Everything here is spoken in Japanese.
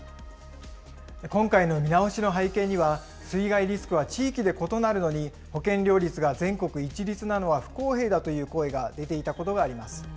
今回の見直しの背景には、水害リスクは地域で異なるのに、保険料率が全国一律なのは不公平だという声が出ていたことがあります。